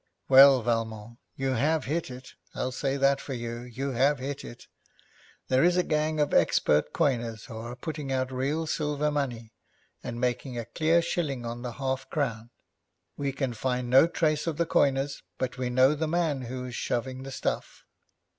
'Well, Valmont, you have hit it. I'll say that for you; you have hit it. There is a gang of expert coiners who are putting out real silver money, and making a clear shilling on the half crown. We can find no trace of the coiners, but we know the man who is shoving the stuff.'